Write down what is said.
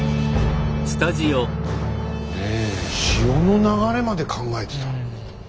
潮の流れまで考えてた。